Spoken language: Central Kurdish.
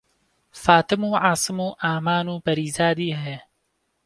فاتم و عاسم و ئامان و پەریزادی هەیە